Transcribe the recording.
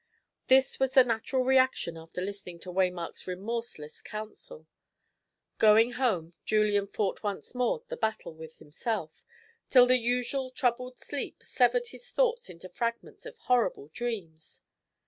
This was the natural reaction after listening to Waymark's remorseless counsel. Going home, Julian fought once more the battle with himself, till the usual troubled sleep severed his thoughts into fragments of horrible dreams.